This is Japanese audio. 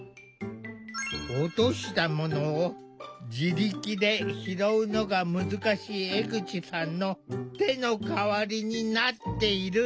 落としたものを自力で拾うのが難しい江口さんの手の代わりになっている。